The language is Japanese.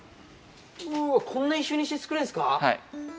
うおー、こんな一瞬にして作れるんですか。